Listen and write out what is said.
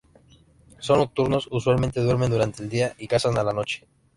Son nocturnos; usualmente duermen durante el día y cazan a la noche.